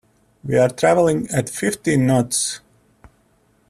We are travelling at fifteen knots.